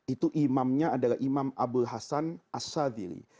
itu imamnya adalah imam abul hasan as sadhili